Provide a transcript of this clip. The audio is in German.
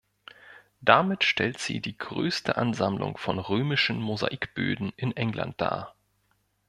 Damit stellt sie die größte Ansammlung von römischen Mosaikböden in England dar.